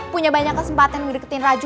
punya banyak kesempatan ngikutin raju